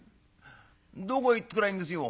どこ行ってくりゃいいんですよ」。